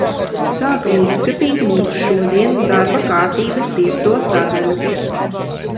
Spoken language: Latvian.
Sākam izskatīt mūsu šodienas darba kārtības piekto sadaļu.